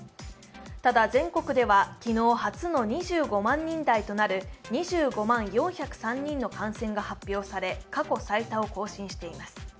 ただ全国では昨日初の２５万人台となる２５万４０３人の感染が発表され過去最多を更新しています。